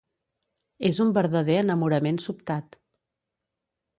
És un verdader enamorament sobtat.